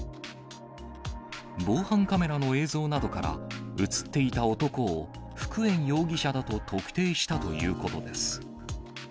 防犯カメラの映像などから、写っていた男を福円容疑者だと特定したということです。